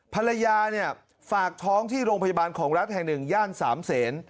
ภรรยาเนี่ยฝากท้องที่โรงพยาบาลของรัฐแห่งหนึ่งย่านสามเศษ